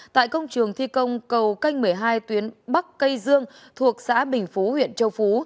tại công trường thi công cầu canh một mươi hai tuyến bắc cây dương thuộc xã bình phú huyện châu phú